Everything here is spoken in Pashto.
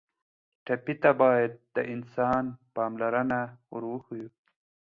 ټپي ته باید د انسان پاملرنه ور وښیو.